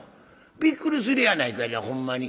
びっくりするやないかいなほんまに」。